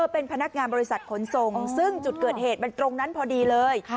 เป็นพนักงานบริษัทขนส่งซึ่งจุดเกิดเหตุมันตรงนั้นพอดีเลย